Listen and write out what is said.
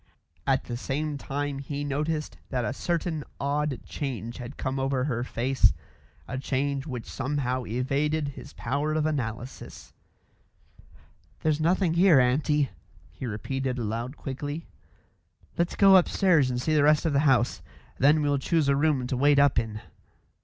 At the same time he noticed that a certain odd change had come over her face, a change which somehow evaded his power of analysis. "There's nothing here, aunty," he repeated aloud quickly. "Let's go upstairs and see the rest of the house. Then we'll choose a room to wait up in."